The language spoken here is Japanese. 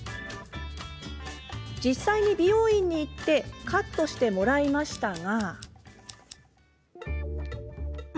実際に美容院に行ってカットしてもらいましたが。